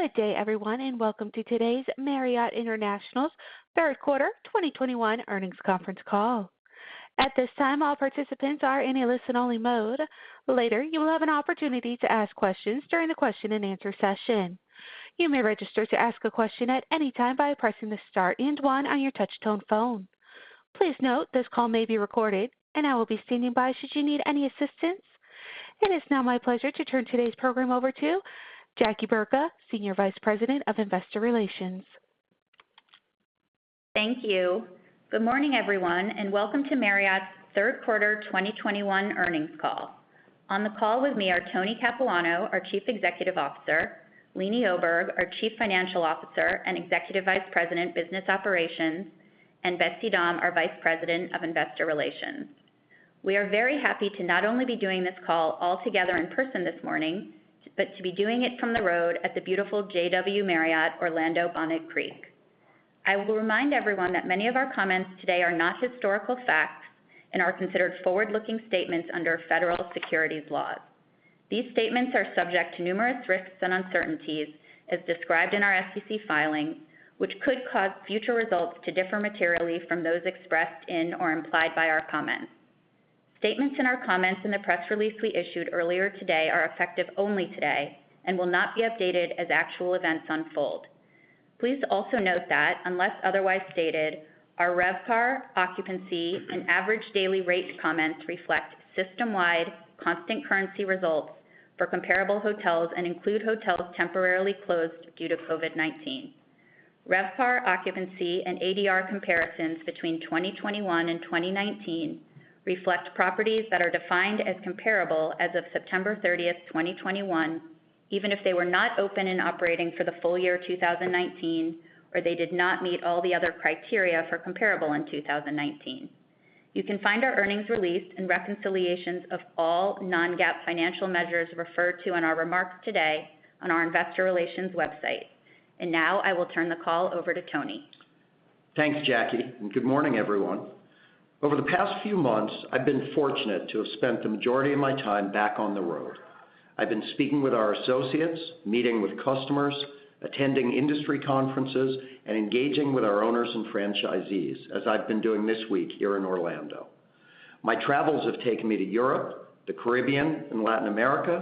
Good day, everyone, and welcome to today's Marriott International's third quarter 2021 earnings conference call. At this time, all participants are in a listen-only mode. Later, you will have an opportunity to ask questions during the question-and-answer session. You may register to ask a question at any time by pressing the star and one on your touchtone phone. Please note, this call may be recorded. I will be standing by should you need any assistance. It is now my pleasure to turn today's program over to Jackie Burka, Senior Vice President of Investor Relations. Thank you. Good morning, everyone, and welcome to Marriott's third quarter 2021 earnings call. On the call with me are Tony Capuano, our Chief Executive Officer, Leeny Oberg, our Chief Financial Officer and Executive Vice President Business Operations, and Betsy Dahm, our Vice President of Investor Relations. We are very happy to not only be doing this call all together in person this morning, but to be doing it from the road at the beautiful JW Marriott Orlando Bonnet Creek. I will remind everyone that many of our comments today are not historical facts and are considered forward-looking statements under Federal Securities laws. These statements are subject to numerous risks and uncertainties as described in our SEC filing, which could cause future results to differ materially from those expressed in or implied by our comments. Statements in our comments in the press release we issued earlier today are effective only today and will not be updated as actual events unfold. Please also note that, unless otherwise stated, our RevPAR, occupancy, and average daily rate comments reflect system-wide constant currency results for comparable hotels and include hotels temporarily closed due to COVID-19. RevPAR, occupancy, and ADR comparisons between 2021 and 2019 reflect properties that are defined as comparable as of September 30, 2021, even if they were not open and operating for the full year 2019 or they did not meet all the other criteria for comparable in 2019. You can find our earnings release and reconciliations of all non-GAAP financial measures referred to in our remarks today on our investor relations website. Now I will turn the call over to Tony. Thanks, Jackie, and good morning, everyone. Over the past few months, I've been fortunate to have spent the majority of my time back on the road. I've been speaking with our associates, meeting with customers, attending industry conferences, and engaging with our owners and franchisees, as I've been doing this week here in Orlando. My travels have taken me to Europe, the Caribbean, and Latin America,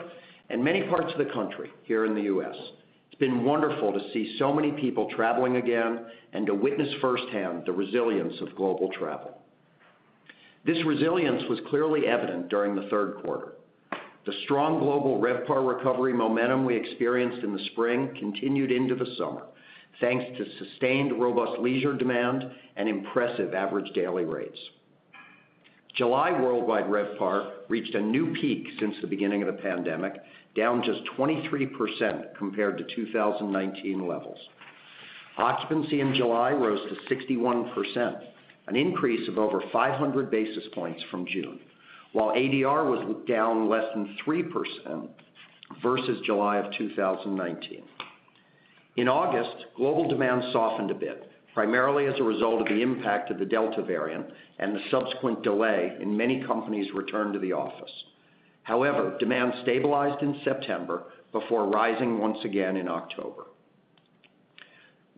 and many parts of the country here in the U.S. It's been wonderful to see so many people traveling again and to witness firsthand the resilience of global travel. This resilience was clearly evident during the third quarter. The strong global RevPAR recovery momentum we experienced in the spring continued into the summer, thanks to sustained robust leisure demand and impressive average daily rates. July worldwide RevPAR reached a new peak since the beginning of the pandemic, down just 23% compared to 2019 levels. Occupancy in July rose to 61%, an increase of over 500 basis points from June, while ADR was down less than 3% versus July of 2019. In August, global demand softened a bit, primarily as a result of the impact of the Delta variant and the subsequent delay in many companies' return to the office. However, demand stabilized in September before rising once again in October.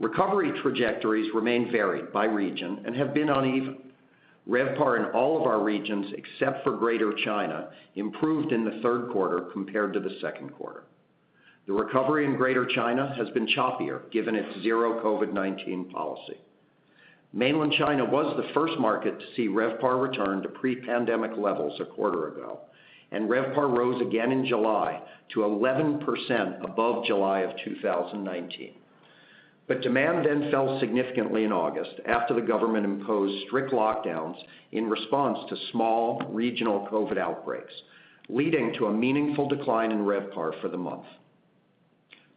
Recovery trajectories remain varied by region and have been uneven. RevPAR in all of our regions except for Greater China improved in the third quarter compared to the second quarter. The recovery in Greater China has been choppier given its zero COVID-19 policy. Mainland China was the first market to see RevPAR return to pre-pandemic levels a quarter ago, and RevPAR rose again in July to 11% above July 2019. Demand then fell significantly in August after the government imposed strict lockdowns in response to small regional COVID outbreaks, leading to a meaningful decline in RevPAR for the month.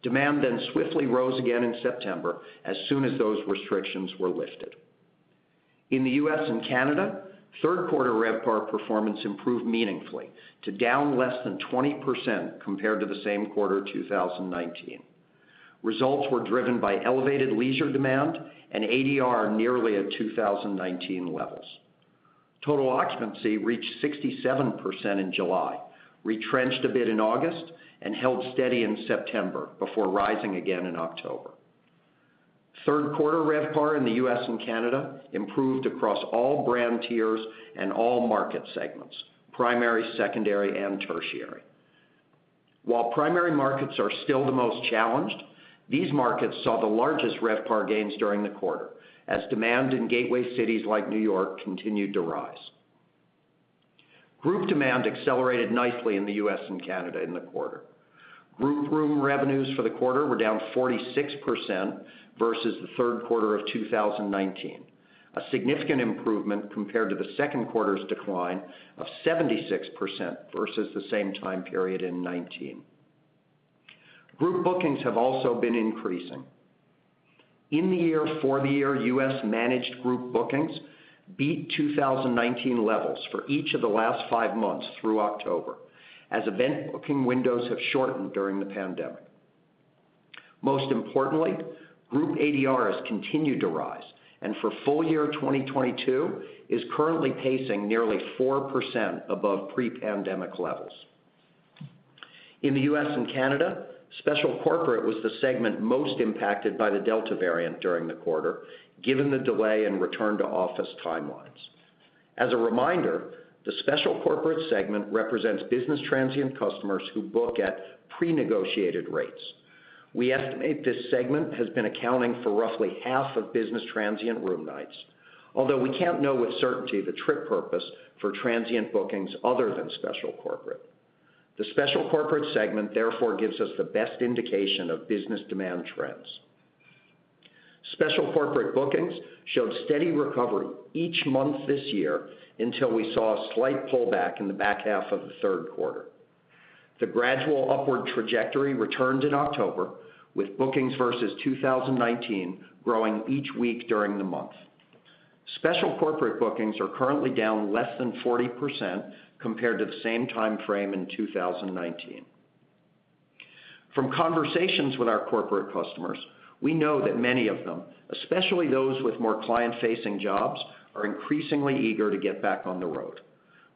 Demand then swiftly rose again in September as soon as those restrictions were lifted. In the U.S. and Canada, third quarter RevPAR performance improved meaningfully to down less than 20% compared to the same quarter 2019. Results were driven by elevated leisure demand and ADR nearly at 2019 levels. Total occupancy reached 67% in July, retrenched a bit in August, and held steady in September before rising again in October. Third quarter RevPAR in the U.S. and Canada improved across all brand tiers and all market segments, primary, secondary, and tertiary. While primary markets are still the most challenged, these markets saw the largest RevPAR gains during the quarter as demand in gateway cities like New York continued to rise. Group demand accelerated nicely in the U.S. and Canada in the quarter. Group room revenues for the quarter were down 46% versus the third quarter of 2019, a significant improvement compared to the second quarter's decline of 76% versus the same time period in 2019. Group bookings have also been increasing. In the year, U.S. managed group bookings beat 2019 levels for each of the last five months through October as event booking windows have shortened during the pandemic. Most importantly, group ADR has continued to rise, and for full year 2022 is currently pacing nearly 4% above pre-pandemic levels. In the U.S. and Canada, Special Corporate was the segment most impacted by the Delta variant during the quarter, given the delay in return to office timelines. As a reminder, the Special Corporate segment represents business transient customers who book at Prenegotiated Rates. We estimate this segment has been accounting for roughly half of business transient room nights. Although we can't know with certainty the trip purpose for transient bookings other than Special Corporate, the Special Corporate segment, therefore, gives us the best indication of business demand trends. Special Corporate bookings showed steady recovery each month this year until we saw a slight pullback in the back half of the third quarter. The gradual upward trajectory returned in October, with bookings versus 2019 growing each week during the month. Special Corporate bookings are currently down less than 40% compared to the same time frame in 2019. From conversations with our corporate customers, we know that many of them, especially those with more client-facing jobs, are increasingly eager to get back on the road.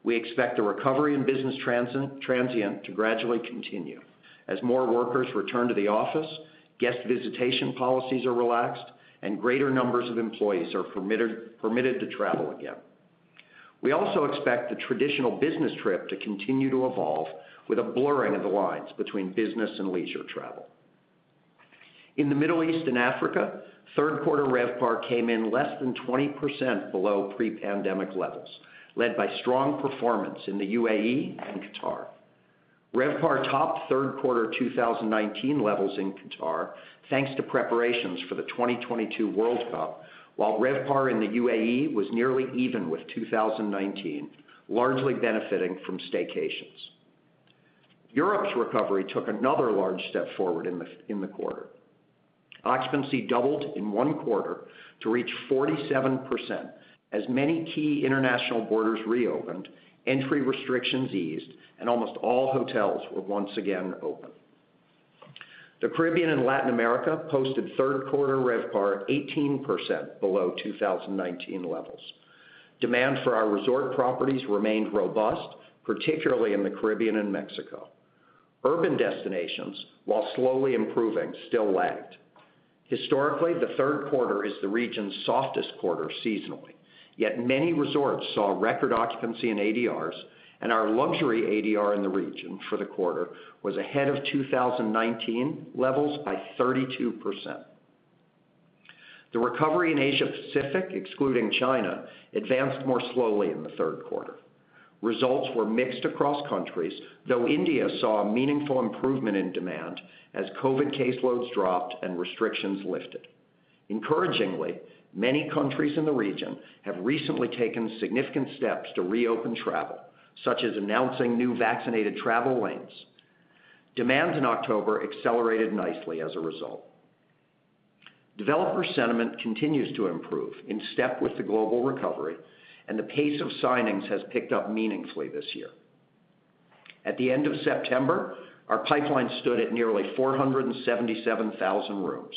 We expect the recovery in business transient to gradually continue as more workers return to the office, guest visitation policies are relaxed, and greater numbers of employees are permitted to travel again. We also expect the traditional business trip to continue to evolve with a blurring of the lines between business and leisure travel. In the Middle East and Africa, third quarter RevPAR came in less than 20% below pre-pandemic levels, led by strong performance in the UAE and Qatar. RevPAR topped third quarter 2019 levels in Qatar thanks to preparations for the 2022 World Cup, while RevPAR in the UAE was nearly even with 2019, largely benefiting from staycations. Europe's recovery took another large step forward in the quarter. Occupancy doubled in one quarter to reach 47% as many key international borders reopened, entry restrictions eased, and almost all hotels were once again open. The Caribbean and Latin America posted third quarter RevPAR 18% below 2019 levels. Demand for our resort properties remained robust, particularly in the Caribbean and Mexico. Urban destinations, while slowly improving, still lagged. Historically, the third quarter is the region's softest quarter seasonally, yet many resorts saw record occupancy and ADRs, and our luxury ADR in the region for the quarter was ahead of 2019 levels by 32%. The recovery in Asia Pacific, excluding China, advanced more slowly in the third quarter. Results were mixed across countries, though India saw a meaningful improvement in demand as COVID caseloads dropped and restrictions lifted. Encouragingly, many countries in the region have recently taken significant steps to reopen travel, such as announcing new vaccinated travel lanes. Demand in October accelerated nicely as a result. Developer sentiment continues to improve in step with the global recovery, and the pace of signings has picked up meaningfully this year. At the end of September, our pipeline stood at nearly 477,000 rooms.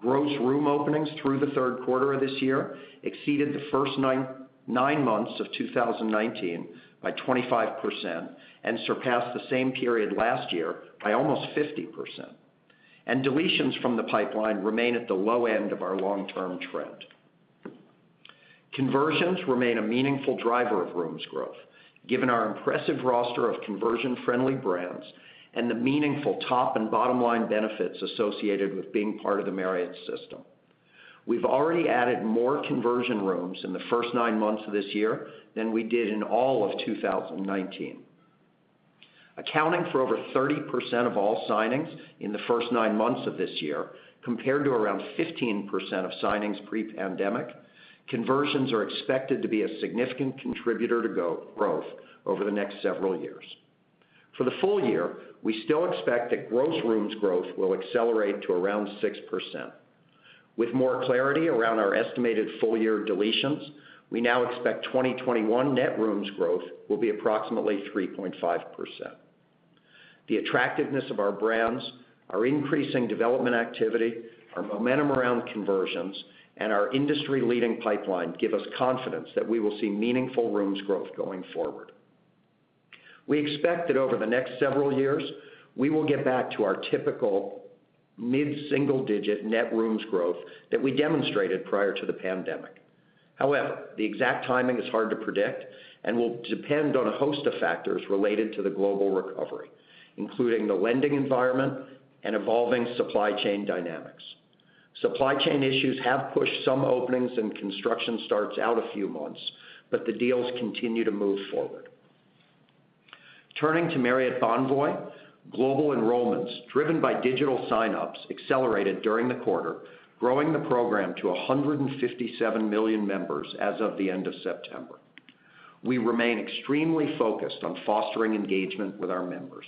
Gross room openings through the third quarter of this year exceeded the first nine months of 2019 by 25% and surpassed the same period last year by almost 50%. Deletions from the pipeline remain at the low end of our long-term trend. Conversions remain a meaningful driver of rooms growth, given our impressive roster of conversion-friendly brands and the meaningful top and bottom-line benefits associated with being part of the Marriott system. We've already added more conversion rooms in the first nine months of this year than we did in all of 2019. Accounting for over 30% of all signings in the first nine months of this year, compared to around 15% of signings pre-pandemic, conversions are expected to be a significant contributor to growth over the next several years. For the full year, we still expect that gross rooms growth will accelerate to around 6%. With more clarity around our estimated full-year deletions, we now expect 2021 net rooms growth will be approximately 3.5%. The attractiveness of our brands, our increasing development activity, our momentum around conversions, and our industry-leading pipeline give us confidence that we will see meaningful rooms growth going forward. We expect that over the next several years, we will get back to our typical mid-single-digit net rooms growth that we demonstrated prior to the pandemic. However, the exact timing is hard to predict and will depend on a host of factors related to the global recovery, including the lending environment and evolving supply chain dynamics. Supply chain issues have pushed some openings and construction starts out a few months, but the deals continue to move forward. Turning to Marriott Bonvoy, global enrollments driven by digital sign-ups accelerated during the quarter, growing the program to 157 million members as of the end of September. We remain extremely focused on fostering engagement with our members.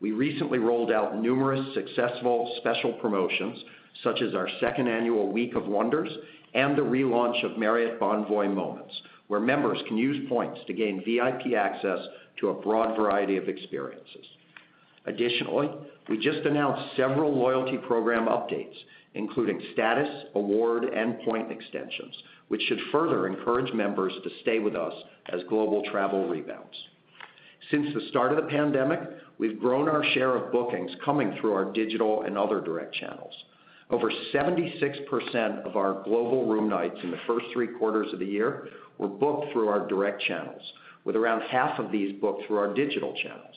We recently rolled out numerous successful special promotions, such as our second annual Week of Wonders and the relaunch of Marriott Bonvoy Moments, where members can use points to gain VIP access to a broad variety of experiences. Additionally, we just announced several loyalty program updates, including status, award, and point extensions, which should further encourage members to stay with us as global travel rebounds. Since the start of the pandemic, we've grown our share of bookings coming through our digital and other direct channels. Over 76% of our global room nights in the first three quarters of the year were booked through our direct channels, with around half of these booked through our digital channels.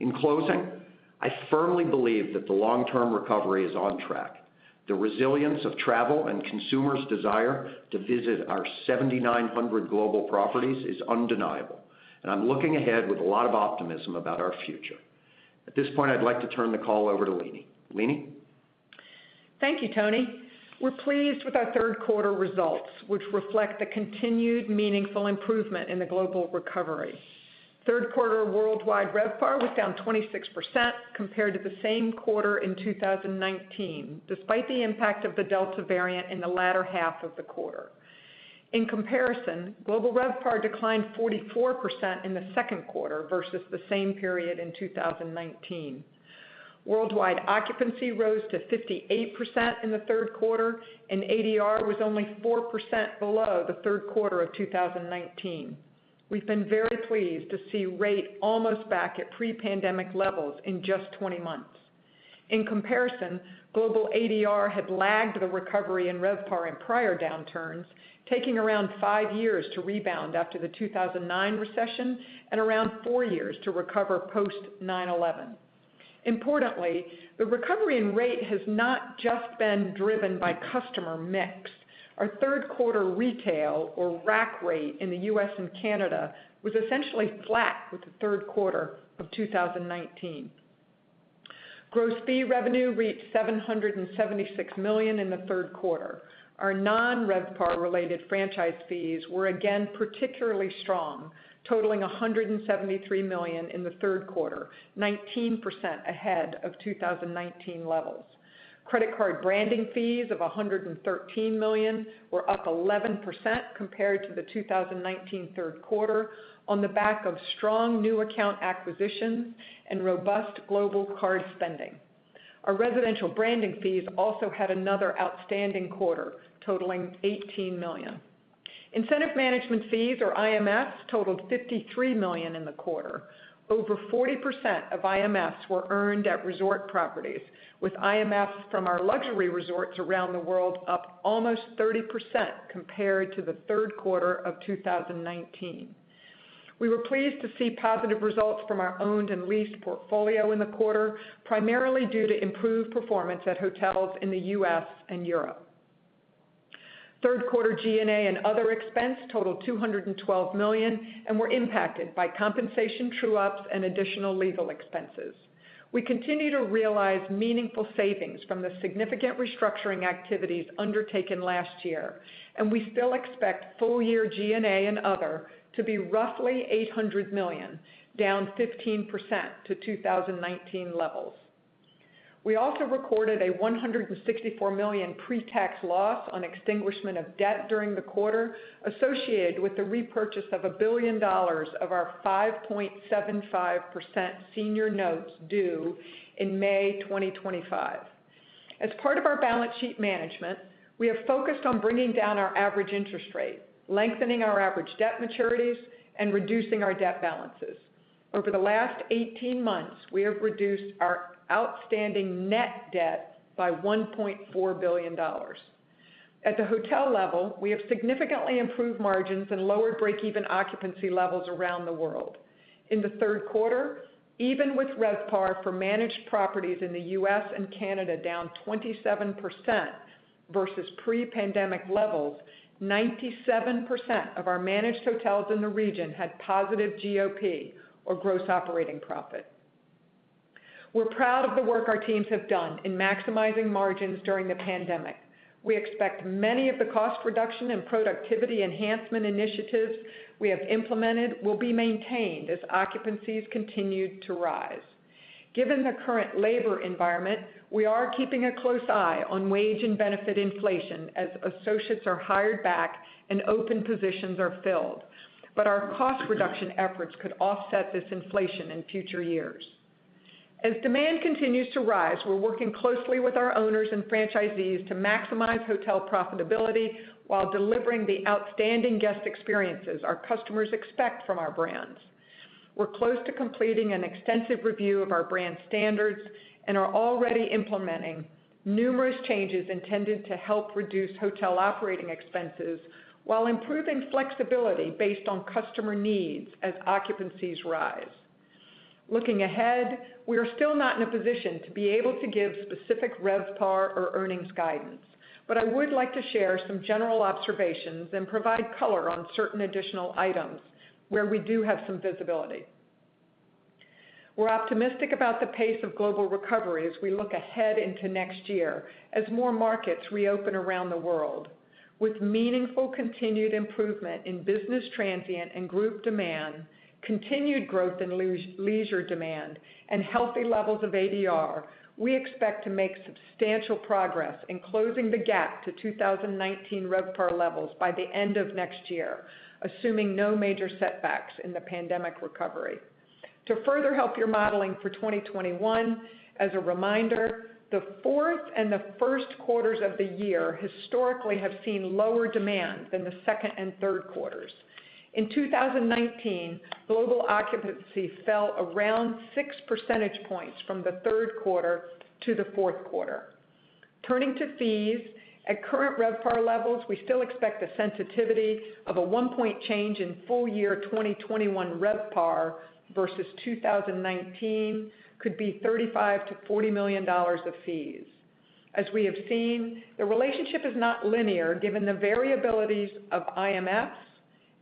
In closing, I firmly believe that the long-term recovery is on track. The resilience of travel and consumers' desire to visit our 7,900 global properties is undeniable, and I'm looking ahead with a lot of optimism about our future. At this point, I'd like to turn the call over to Leeny. Leeny? Thank you, Tony. We're pleased with our third quarter results, which reflect the continued meaningful improvement in the global recovery. Third quarter worldwide RevPAR was down 26% compared to the same quarter in 2019, despite the impact of the Delta variant in the latter half of the quarter. In comparison, global RevPAR declined 44% in the second quarter versus the same period in 2019. Worldwide occupancy rose to 58% in the third quarter, and ADR was only 4% below the third quarter of 2019. We've been very pleased to see rate almost back at pre-pandemic levels in just 20 months. In comparison, global ADR had lagged the recovery in RevPAR in prior downturns, taking around five years to rebound after the 2009 recession and around four years to recover post 9/11. Importantly, the recovery in rate has not just been driven by customer mix. Our third quarter retail or rack rate in the U.S. and Canada was essentially flat with the third quarter of 2019. Gross fee revenue reached $776 million in the third quarter. Our non-RevPAR related franchise fees were again particularly strong, totaling $173 million in the third quarter, 19% ahead of 2019 levels. Credit card branding fees of $113 million were up 11% compared to the 2019 third quarter on the back of strong new account acquisitions and robust global card spending. Our residential branding fees also had another outstanding quarter, totaling $18 million. Incentive management fees, or IMFs, totaled $53 million in the quarter. Over 40% of IMFs were earned at resort properties, with IMFs from our luxury resorts around the world up almost 30% compared to the third quarter of 2019. We were pleased to see positive results from our owned and leased portfolio in the quarter, primarily due to improved performance at hotels in the U.S. and Europe. Third quarter G&A and other expense totaled $212 million and were impacted by compensation true-ups and additional legal expenses. We continue to realize meaningful savings from the significant restructuring activities undertaken last year, and we still expect full-year G&A and other to be roughly $800 million, down 15% to 2019 levels. We also recorded a $164 million pre-tax loss on extinguishment of debt during the quarter associated with the repurchase of $1 billion of our 5.75% senior notes due in May 2025. As part of our balance sheet management, we have focused on bringing down our average interest rate, lengthening our average debt maturities, and reducing our debt balances. Over the last 18 months, we have reduced our outstanding net debt by $1.4 billion. At the hotel level, we have significantly improved margins and lowered break-even occupancy levels around the world. In the third quarter, even with RevPAR for managed properties in the U.S. and Canada down 27% versus pre-pandemic levels, 97% of our managed hotels in the region had positive GOP or gross operating profit. We're proud of the work our teams have done in maximizing margins during the pandemic. We expect many of the cost reduction and productivity enhancement initiatives we have implemented will be maintained as occupancies continue to rise. Given the current labor environment, we are keeping a close eye on wage and benefit inflation as associates are hired back and open positions are filled. Our cost reduction efforts could offset this inflation in future years. As demand continues to rise, we're working closely with our owners and franchisees to maximize hotel profitability while delivering the outstanding guest experiences our customers expect from our brands. We're close to completing an extensive review of our brand standards and are already implementing numerous changes intended to help reduce hotel operating expenses while improving flexibility based on customer needs as occupancies rise. Looking ahead, we are still not in a position to be able to give specific RevPAR or earnings guidance, but I would like to share some general observations and provide color on certain additional items where we do have some visibility. We're optimistic about the pace of global recovery as we look ahead into next year as more markets reopen around the world. With meaningful continued improvement in business transient and group demand, continued growth in leisure demand, and healthy levels of ADR, we expect to make substantial progress in closing the gap to 2019 RevPAR levels by the end of next year, assuming no major setbacks in the pandemic recovery. To further help your modeling for 2021, as a reminder, the fourth and the first quarters of the year historically have seen lower demand than the second and third quarters. In 2019, global occupancy fell around 6% points from the third quarter to the fourth quarter. Turning to fees, at current RevPAR levels, we still expect the sensitivity of a one-point change in full year 2021 RevPAR versus 2019 could be $35 million-$40 million of fees. As we have seen, the relationship is not linear given the variabilities of IMFs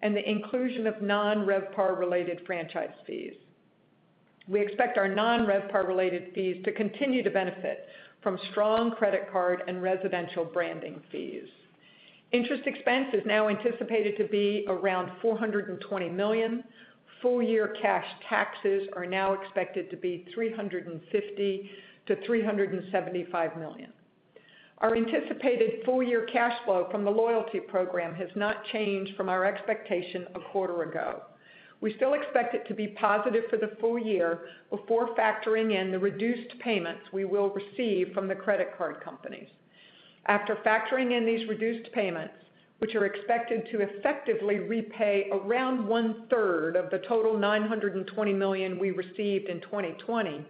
and the inclusion of non-RevPAR related franchise fees. We expect our non-RevPAR related fees to continue to benefit from strong credit card and residential branding fees. Interest expense is now anticipated to be around $420 million. Full year cash taxes are now expected to be $350 million-$375 million. Our anticipated full year cash flow from the Loyalty Program has not changed from our expectation a quarter ago. We still expect it to be positive for the full year before factoring in the reduced payments we will receive from the credit card companies. After factoring in these reduced payments, which are expected to effectively repay around one third of the total $920 million we received in 2020,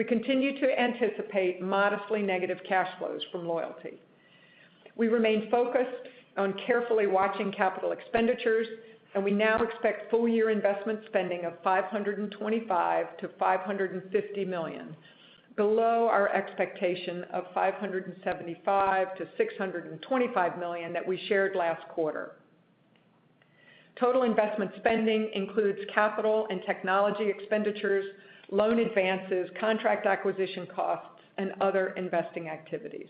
we continue to anticipate modestly negative cash flows from loyalty. We remain focused on carefully watching capital expenditures, and we now expect full year investment spending of $525 million-$550 million, below our expectation of $575 million-$625 million that we shared last quarter. Total investment spending includes capital and technology expenditures, loan advances, contract acquisition costs, and other investing activities.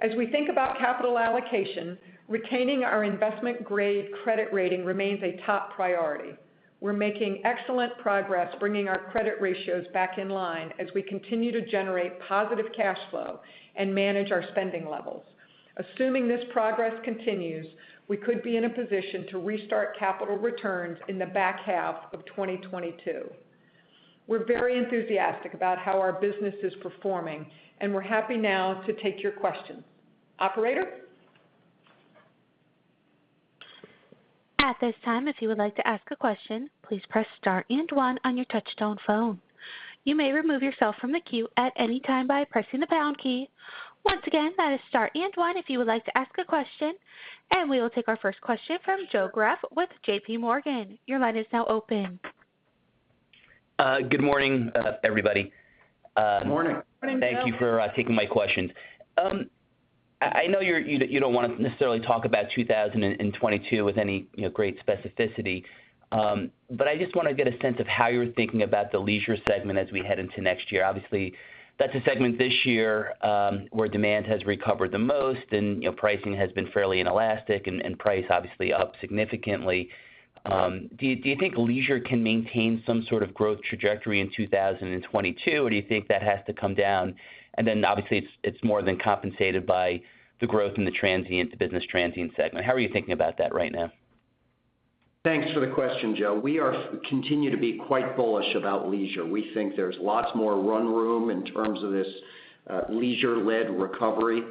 As we think about capital allocation, retaining our investment grade credit rating remains a top priority. We're making excellent progress bringing our credit ratios back in line as we continue to generate positive cash flow and manage our spending levels. Assuming this progress continues, we could be in a position to restart capital returns in the back half of 2022. We're very enthusiastic about how our business is performing, and we're happy now to take your questions. Operator? At this time, if you would like to ask a question, please press star and one on your touchtone phone. You may remove yourself from the queue at any time by pressing the pound key. Once again, that is star and one if you would like to ask a question, and we will take our first question from Joe Greff with JPMorgan. Your line is now open. Good morning, everybody. Good morning. Good morning, Joe. Thank you for taking my question. I know you don't wanna necessarily talk about 2022 with any, you know, great specificity. But I just wanna get a sense of how you're thinking about the leisure segment as we head into next year. Obviously, that's a segment this year where demand has recovered the most and, you know, pricing has been fairly inelastic and price obviously up significantly. Do you think leisure can maintain some sort of growth trajectory in 2022? Or do you think that has to come down? Obviously, it's more than compensated by the growth in the transient, the business transient segment. How are you thinking about that right now? Thanks for the question, Joe. We continue to be quite bullish about leisure. We think there's lots more run room in terms of this leisure-led recovery.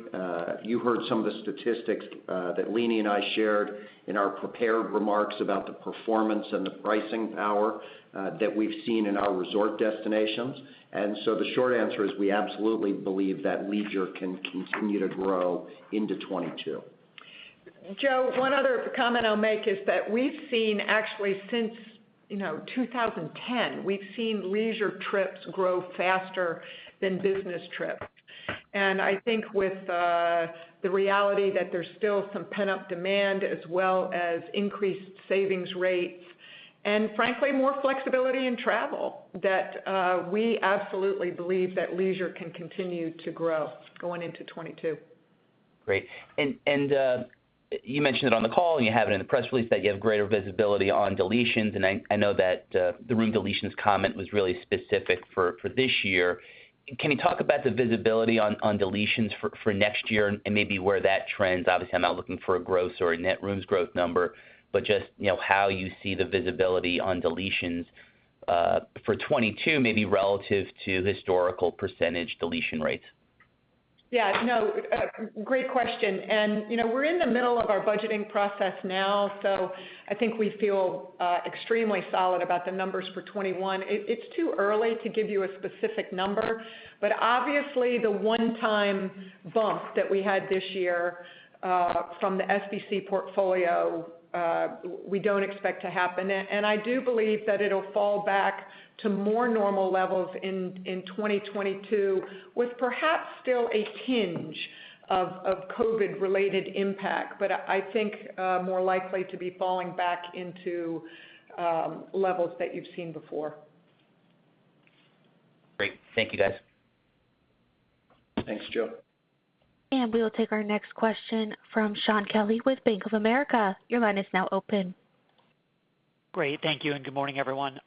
You heard some of the statistics that Leeny and I shared in our prepared remarks about the performance and the pricing power that we've seen in our resort destinations. The short answer is we absolutely believe that leisure can continue to grow into 2022. Joe, one other comment I'll make is that we've seen actually since, you know, 2010, we've seen leisure trips grow faster than business trips. I think with the reality that there's still some pent-up demand as well as increased savings rates and frankly, more flexibility in travel, that we absolutely believe that leisure can continue to grow going into 2022. Great. You mentioned it on the call and you have it in the press release that you have greater visibility on deletions, and I know that the room deletions comment was really specific for this year. Can you talk about the visibility on deletions for next year and maybe where that trends? Obviously, I'm not looking for a gross or a net rooms growth number, but just, you know, how you see the visibility on deletions for 2022, maybe relative to historical percentage deletion rates. Yeah. No, great question. You know, we're in the middle of our budgeting process now, so I think we feel extremely solid about the numbers for 2021. It's too early to give you a specific number, but obviously the one-time bump that we had this year from the SVC portfolio we don't expect to happen. I do believe that it'll fall back to more normal levels in 2022 with perhaps still a tinge of COVID-related impact. I think more likely to be falling back into levels that you've seen before. Great. Thank you, guys. Thanks, Joe. We will take our next question from Shaun Kelley with Bank of America. Your line is now open. Great. Thank you and good morning, everyone.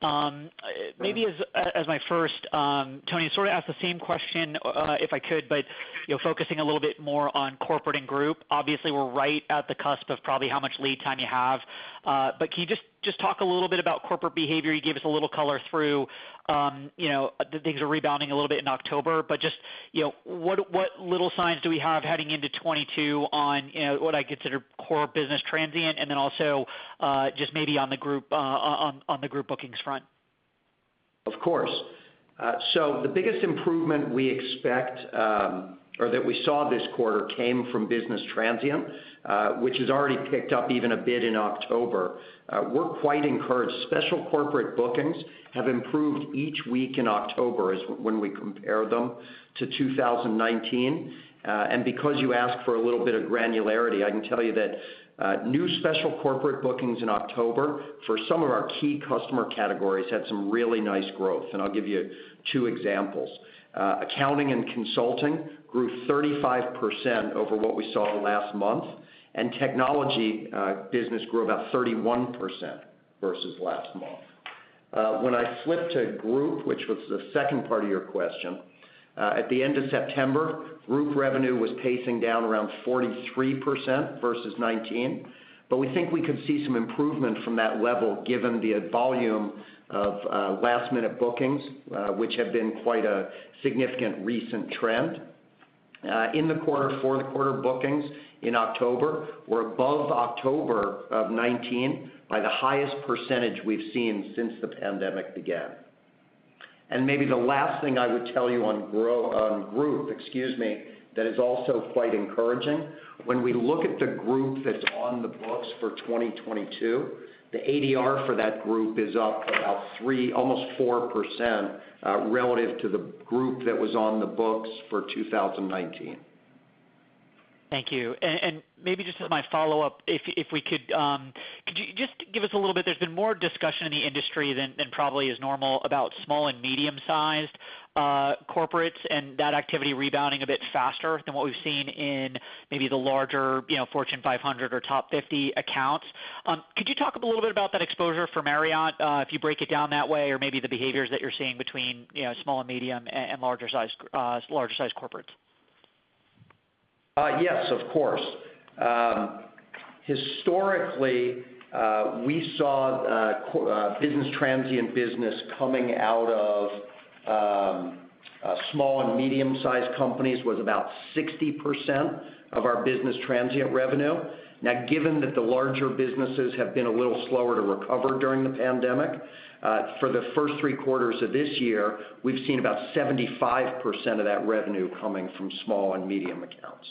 Maybe as my first, Tony, sort of ask the same question, if I could, but you know, focusing a little bit more on corporate and group. Obviously, we're right at the cusp of probably how much lead time you have. Can you just talk a little bit about corporate behavior? You gave us a little color through, you know, that things are rebounding a little bit in October. Just, you know, what little signs do we have heading into 2022 on, you know, what I consider core business transient, and then also just maybe on the group bookings front. Of course. So the biggest improvement we expect, or that we saw this quarter came from business transient, which has already picked up even a bit in October. We're quite encouraged. Special corporate bookings have improved each week in October as when we compare them to 2019. Because you ask for a little bit of granularity, I can tell you that, new special corporate bookings in October for some of our key customer categories had some really nice growth. I'll give you two examples. Accounting and consulting grew 35% over what we saw last month, and technology business grew about 31% versus last month. When I flip to group, which was the second part of your question, at the end of September, group revenue was pacing down around 43% versus 2019. We think we could see some improvement from that level given the volume of last-minute bookings, which have been quite a significant recent trend. In the fourth quarter bookings in October were above October of 2019 by the highest percentage we've seen since the pandemic began. Maybe the last thing I would tell you on group, excuse me, that is also quite encouraging. When we look at the group that's on the books for 2022, the ADR for that group is up about 3%, almost 4%, relative to the group that was on the books for 2019. Thank you. Maybe just as my follow-up, if we could you just give us a little bit. There's been more discussion in the industry than probably is normal about small and medium-sized corporates and that activity rebounding a bit faster than what we've seen in maybe the larger, you know, Fortune 500 or top 50 accounts. Could you talk a little bit about that exposure for Marriott, if you break it down that way or maybe the behaviors that you're seeing between, you know, small and medium and larger sized corporates? Yes, of course. Historically, we saw business transient coming out of small and medium-sized companies was about 60% of our business transient revenue. Now, given that the larger businesses have been a little slower to recover during the pandemic, for the first three quarters of this year, we've seen about 75% of that revenue coming from small and medium accounts.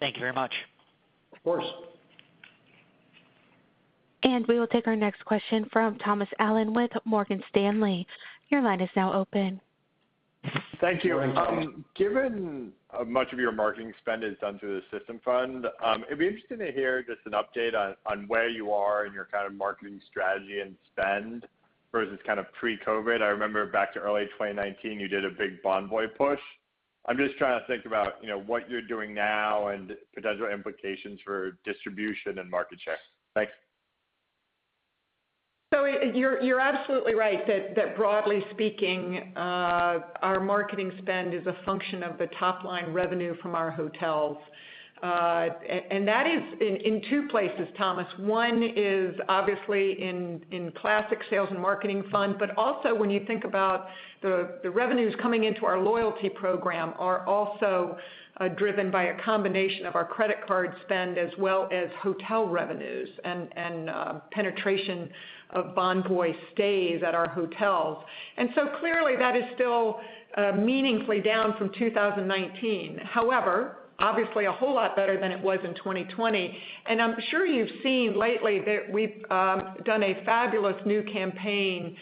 Thank you very much. Of course. We will take our next question from Thomas Allen with Morgan Stanley. Your line is now open. Thank you. Given much of your marketing spend is done through the system fund, it'd be interesting to hear just an update on where you are in your kind of marketing strategy and spend versus kind of pre-COVID. I remember back to early 2019, you did a big Bonvoy push. I'm just trying to think about, you know, what you're doing now and potential implications for distribution and market share. Thanks. You're absolutely right that broadly speaking our marketing spend is a function of the top line revenue from our hotels. That is in two places, Thomas. One is obviously in classic sales and marketing fund, but also when you think about the revenues coming into our loyalty program are also driven by a combination of our credit card spend as well as hotel revenues and penetration of Bonvoy stays at our hotels. Clearly that is still meaningfully down from 2019. However, obviously a whole lot better than it was in 2020. I'm sure you've seen lately that we've done a fabulous new campaign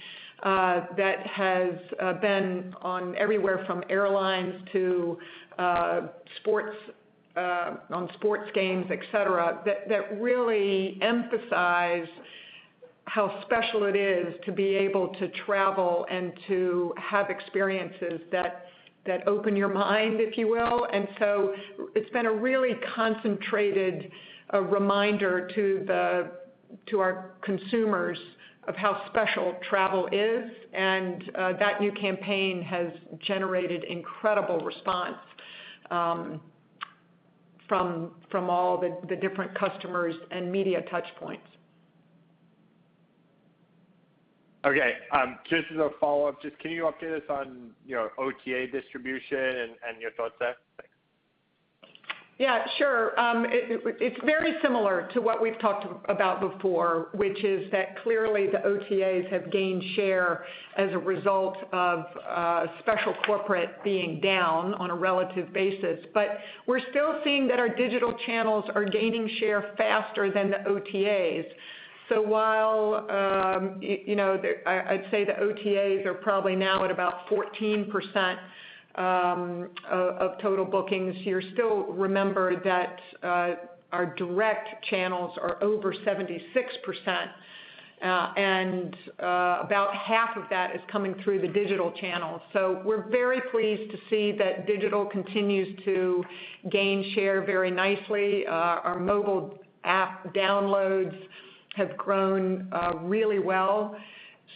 that has been on everywhere from airlines to sports on sports games, etc., that really emphasize how special it is to be able to travel and to have experiences that open your mind, if you will. It's been a really concentrated reminder to our consumers of how special travel is, and that new campaign has generated incredible response from all the different customers and media touch points. Okay, just as a follow-up, just can you update us on, you know, OTA distribution and your thoughts there? Thanks. Yeah, sure. It's very similar to what we've talked about before, which is that clearly the OTAs have gained share as a result of Special Corporate being down on a relative basis. We're still seeing that our digital channels are gaining share faster than the OTAs. While I'd say the OTAs are probably now at about 14% of total bookings, you still remember that our direct channels are over 76%, and about half of that is coming through the digital channels. We're very pleased to see that digital continues to gain share very nicely. Our mobile app downloads have grown really well.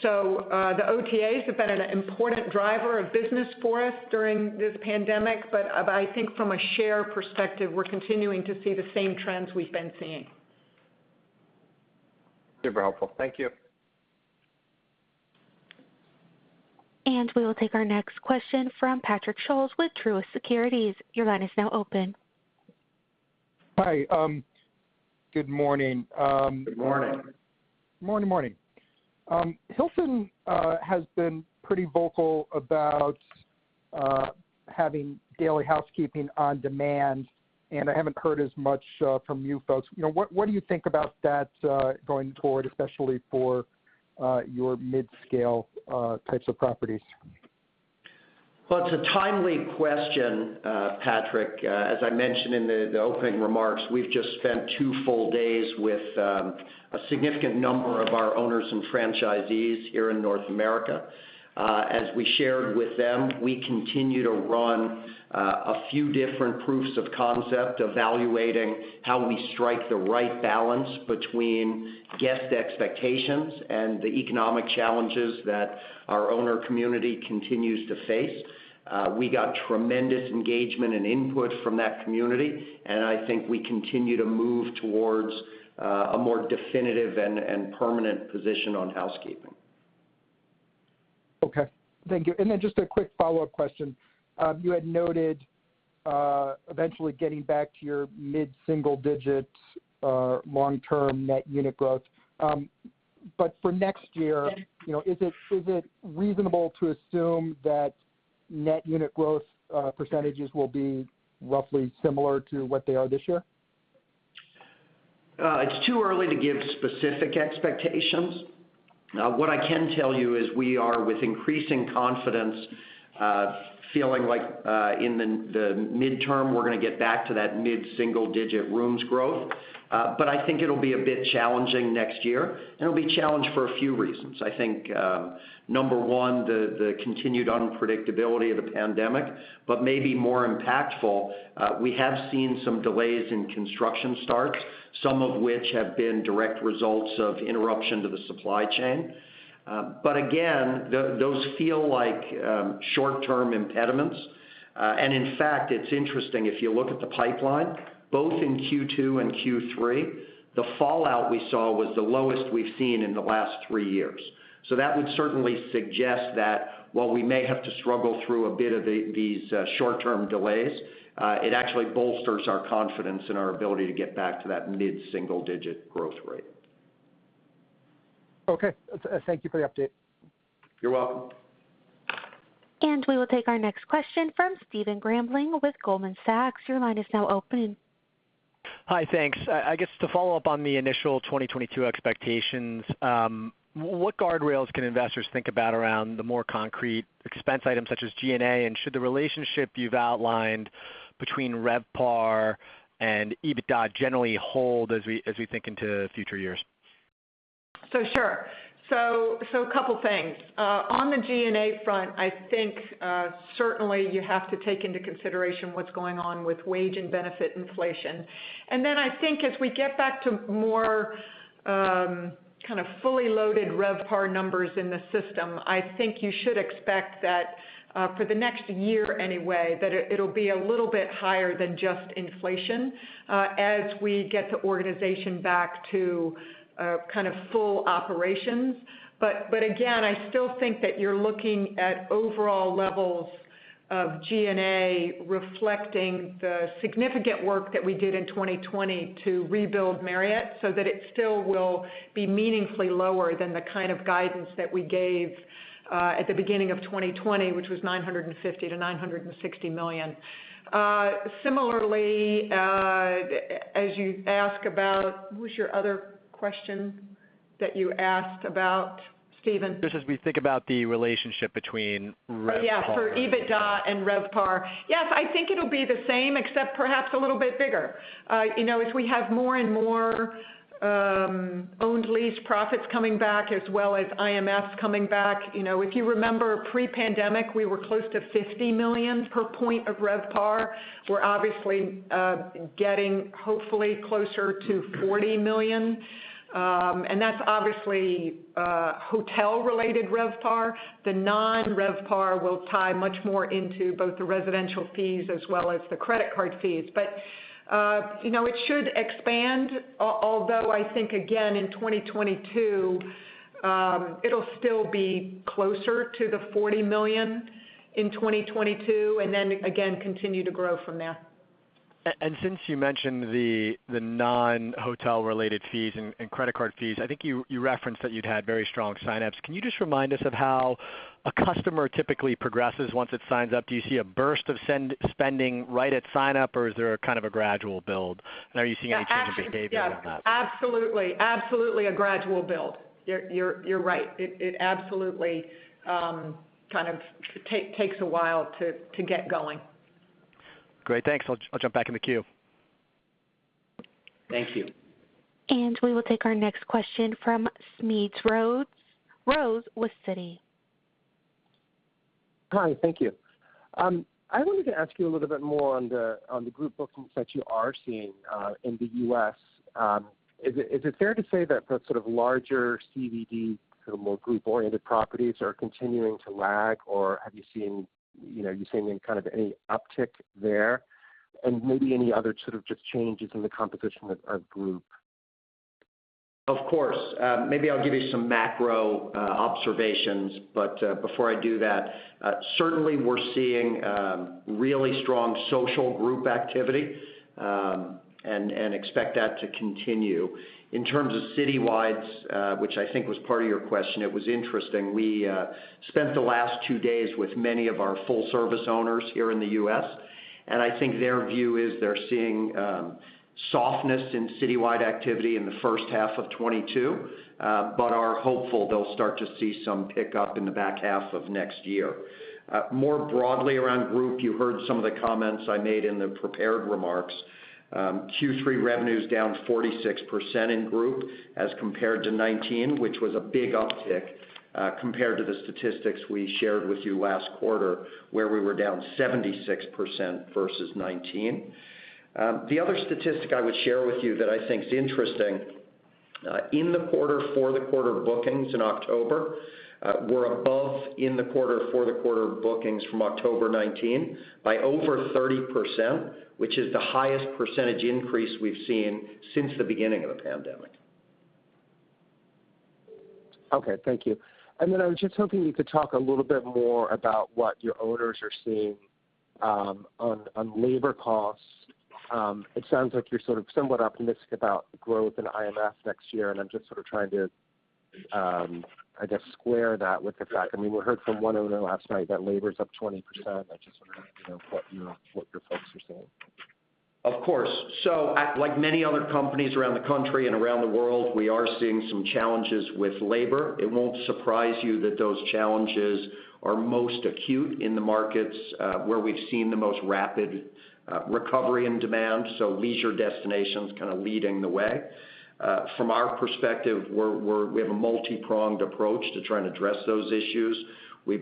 The OTAs have been an important driver of business for us during this pandemic. I think from a share perspective, we're continuing to see the same trends we've been seeing. Super helpful. Thank you. We will take our next question from Patrick Scholes with Truist Securities. Your line is now open. Hi. Good morning. Good morning. Morning, morning. Hilton has been pretty vocal about having daily housekeeping on demand, and I haven't heard as much from you folks. You know, what do you think about that going forward, especially for your mid-scale types of properties? Well, it's a timely question, Patrick. As I mentioned in the opening remarks, we've just spent two full days with a significant number of our owners and franchisees here in North America. As we shared with them, we continue to run a few different proofs of concept, evaluating how we strike the right balance between guest expectations and the economic challenges that our owner community continues to face. We got tremendous engagement and input from that community, and I think we continue to move towards a more definitive and permanent position on housekeeping. Okay. Thank you. Just a quick follow-up question. You had noted eventually getting back to your mid-single digits long-term net unit growth. For next year- Yes You know, is it reasonable to assume that net unit growth percentages will be roughly similar to what they are this year? It's too early to give specific expectations. What I can tell you is we are, with increasing confidence, feeling like, in the midterm, we're gonna get back to that mid-single digit rooms growth. I think it'll be a bit challenging next year, and it'll be challenged for a few reasons. I think, number one, the continued unpredictability of the pandemic, but maybe more impactful, we have seen some delays in construction starts, some of which have been direct results of interruption to the supply chain. Again, those feel like short-term impediments. In fact, it's interesting, if you look at the pipeline, both in Q2 and Q3, the fallout we saw was the lowest we've seen in the last three years. That would certainly suggest that while we may have to struggle through a bit of these short-term delays, it actually bolsters our confidence in our ability to get back to that mid-single digit growth rate. Okay. Thank you for the update. You're welcome. We will take our next question from Stephen Grambling with Goldman Sachs. Your line is now open. Hi. Thanks. I guess to follow up on the initial 2022 expectations, what guardrails can investors think about around the more concrete expense items such as G&A? Should the relationship you've outlined between RevPAR and EBITDA generally hold as we think into future years? Sure. A couple things. On the G&A front, I think certainly you have to take into consideration what's going on with wage and benefit inflation. I think as we get back to more kind of fully loaded RevPAR numbers in the system, I think you should expect that for the next year anyway, it'll be a little bit higher than just inflation as we get the organization back to kind of full operations. But again, I still think that you're looking at overall levels of G&A reflecting the significant work that we did in 2020 to rebuild Marriott so that it still will be meaningfully lower than the kind of guidance that we gave at the beginning of 2020, which was $950 million-$960 million. Similarly, as you ask about what was your other question that you asked about, Stephen? Just as we think about the relationship between RevPAR and Oh, yeah, for EBITDA and RevPAR. Yes, I think it'll be the same except perhaps a little bit bigger. You know, as we have more and more owned lease profits coming back as well as IMFs coming back, you know, if you remember pre-pandemic, we were close to $50 million per point of RevPAR. We're obviously getting, hopefully closer to $40 million. And that's obviously hotel-related RevPAR. The non-RevPAR will tie much more into both the residential fees as well as the credit card fees. You know, it should expand, although I think again in 2022, it'll still be closer to the $40 million in 2022, and then again, continue to grow from there. Since you mentioned the non-hotel related fees and credit card fees, I think you referenced that you'd had very strong sign-ups. Can you just remind us of how a customer typically progresses once it signs up? Do you see a burst of spending right at sign-up, or is there a kind of a gradual build? Are you seeing any change in behavior on that? Yeah. Absolutely a gradual build. You're right. It absolutely kind of takes a while to get going. Great. Thanks. I'll jump back in the queue. Thank you. We will take our next question from Smedes Rose with Citi. Hi, thank you. I wanted to ask you a little bit more on the group bookings that you are seeing in the U.S. Is it fair to say that the sort of larger CBD, sort of more group-oriented properties are continuing to lag, or have you seen, you know, are you seeing any kind of uptick there? Maybe any other sort of just changes in the composition of group. Of course. Maybe I'll give you some macro observations. Before I do that, certainly we're seeing really strong social group activity, and expect that to continue. In terms of Citywides, which I think was part of your question, it was interesting. We spent the last two days with many of our full-service owners here in the U.S., and I think their view is they're seeing softness in Citywide activity in the first half of 2022, but are hopeful they'll start to see some pickup in the back half of next year. More broadly around group, you heard some of the comments I made in the prepared remarks. Q3 revenue is down 46% in group as compared to 2019, which was a big uptick compared to the statistics we shared with you last quarter, where we were down 76% versus 2019. The other statistic I would share with you that I think is interesting is quarter-over-quarter bookings in October, which are above quarter-over-quarter bookings from October 2019 by over 30%, which is the highest percentage increase we've seen since the beginning of the pandemic. Okay, thank you. Then I was just hoping you could talk a little bit more about what your owners are seeing on labor costs. It sounds like you're sort of somewhat optimistic about growth in IMF next year, and I'm just sort of trying to, I guess, square that with the fact—I mean, we heard from one owner last night that labor is up 20%. I just wonder, you know, what your folks are saying. Of course. Like many other companies around the country and around the world, we are seeing some challenges with labor. It won't surprise you that those challenges are most acute in the markets where we've seen the most rapid recovery in demand, so leisure destinations kind of leading the way. From our perspective, we have a multi-pronged approach to try and address those issues. We've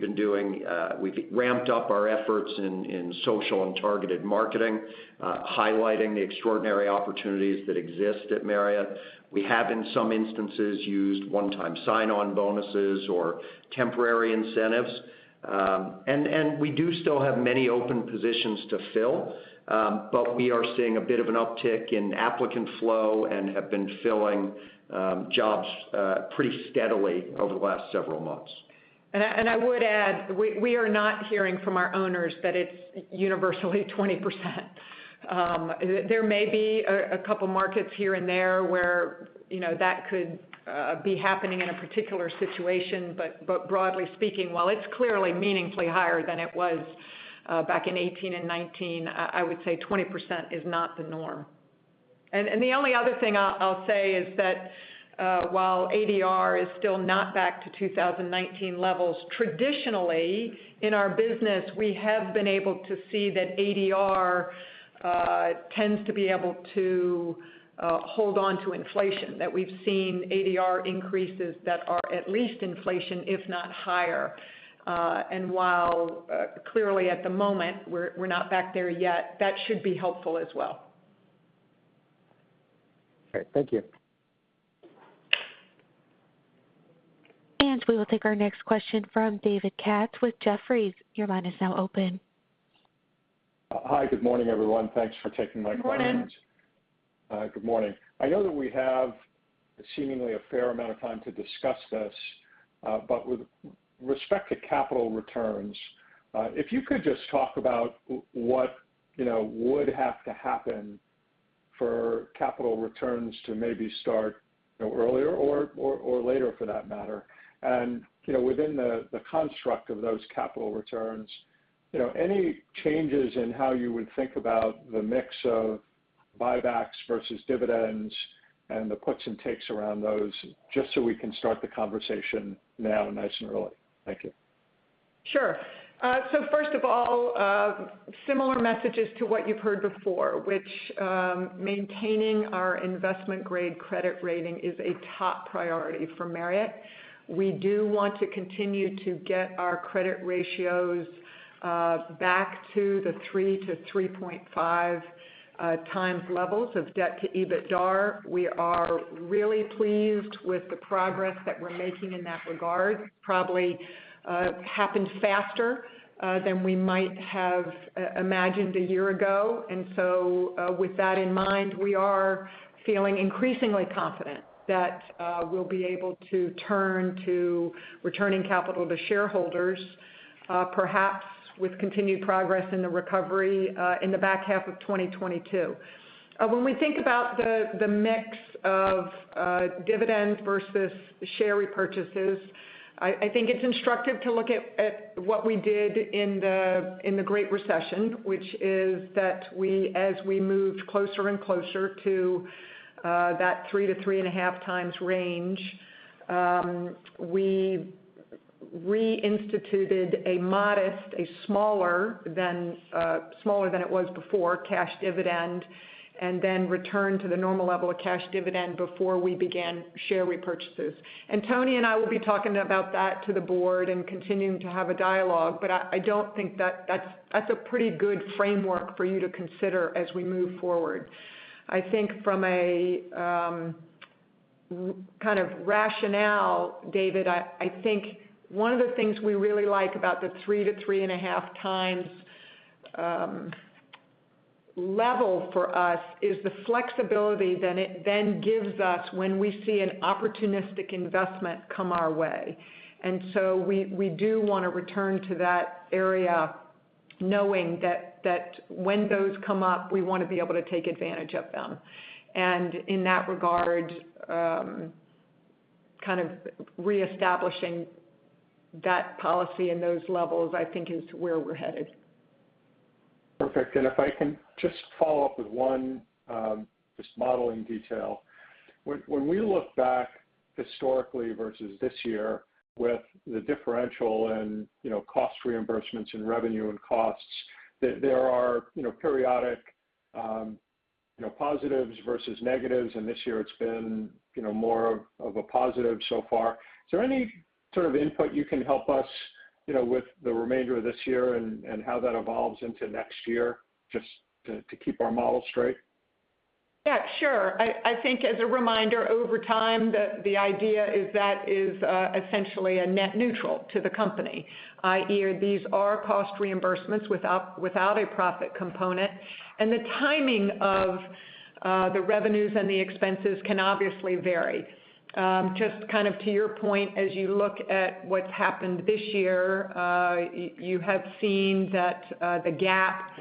ramped up our efforts in social and targeted marketing, highlighting the extraordinary opportunities that exist at Marriott. We have, in some instances, used one-time sign-on bonuses or temporary incentives. And we do still have many open positions to fill, but we are seeing a bit of an uptick in applicant flow and have been filling jobs pretty steadily over the last several months. I would add, we are not hearing from our owners that it's universally 20%. There may be a couple markets here and there where, you know, that could be happening in a particular situation. But broadly speaking, while it's clearly meaningfully higher than it was back in 2018 and 2019, I would say 20% is not the norm. And the only other thing I'll say is that, while ADR is still not back to 2019 levels, traditionally in our business, we have been able to see that ADR tends to be able to hold on to inflation. That we've seen ADR increases that are at least inflation, if not higher. And while clearly at the moment we're not back there yet, that should be helpful as well. All right. Thank you. We will take our next question from David Katz with Jefferies. Your line is now open. Hi. Good morning, everyone. Thanks for taking my questions. Good morning. Hi. Good morning. I know that we have seemingly a fair amount of time to discuss this, but with respect to capital returns, if you could just talk about what, you know, would have to happen for capital returns to maybe start earlier or later for that matter. You know, within the construct of those capital returns, you know, any changes in how you would think about the mix of buybacks versus dividends and the puts and takes around those, just so we can start the conversation now nice and early. Thank you. Sure. So first of all, similar messages to what you've heard before, which maintaining our investment grade credit rating is a top priority for Marriott. We do want to continue to get our credit ratios back to the 3-3.5 times levels of debt to EBITDAR. We are really pleased with the progress that we're making in that regard. Probably happened faster than we might have imagined a year ago. With that in mind, we are feeling increasingly confident that we'll be able to turn to returning capital to shareholders, perhaps with continued progress in the recovery in the back half of 2022. When we think about the mix of dividends versus share repurchases, I think it's instructive to look at what we did in the Great Recession, which is that as we moved closer and closer to that 3-3.5 times range, we instituted a modest, smaller than it was before cash dividend, and then returned to the normal level of cash dividend before we began share repurchases. Tony and I will be talking about that to the board and continuing to have a dialogue, but I don't think that that's a pretty good framework for you to consider as we move forward. I think from a kind of rationale, David, I think one of the things we really like about the 3-3.5 times level for us is the flexibility that it then gives us when we see an opportunistic investment come our way. We do wanna return to that area knowing that when those come up, we wanna be able to take advantage of them. In that regard, kind of reestablishing that policy and those levels, I think is where we're headed. Perfect. If I can just follow up with one, just modeling detail. When we look back historically versus this year with the differential and, you know, cost reimbursements in revenue and costs, there are, you know, periodic, you know, positives versus negatives, and this year it's been, you know, more of a positive so far. Is there any sort of input you can help us, you know, with the remainder of this year and how that evolves into next year, just to keep our model straight? Yeah, sure. I think as a reminder over time, the idea is that essentially a net neutral to the company, i.e., these are cost reimbursements without a profit component, and the timing of the revenues and the expenses can obviously vary. Just kind of to your point, as you look at what's happened this year, you have seen that the gap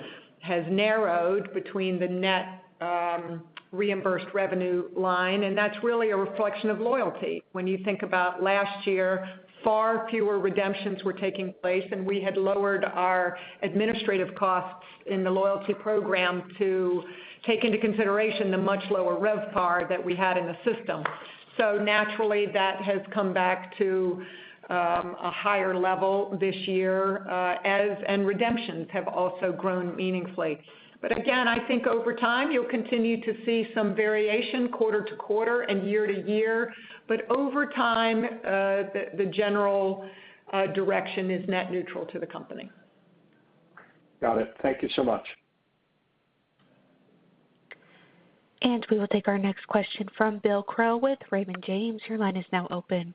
has narrowed between the net reimbursed revenue line, and that's really a reflection of loyalty. When you think about last year, far fewer redemptions were taking place, and we had lowered our administrative costs in the loyalty program to take into consideration the much lower RevPAR that we had in the system. Naturally, that has come back to a higher level this year, and redemptions have also grown meaningfully. Again, I think over time, you'll continue to see some variation quarter to quarter and year to year, but over time, the general direction is net neutral to the company. Got it. Thank you so much. We will take our next question from Bill Crow with Raymond James. Your line is now open.